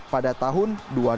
pada tahun dua ribu dua